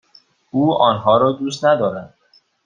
او آنها را دوست ندارد.